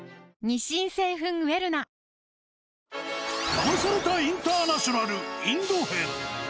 ダマされたインターナショナル、インド編。